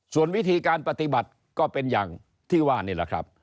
ส่วนวิธีการปฏิบัติก็เป็นอย่างที่ว่านี่แหละครับ